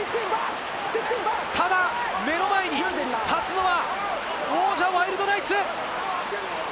ただ目の前に立つのは王者・ワイルドナイツ。